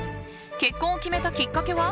結婚を決めたきっかけは？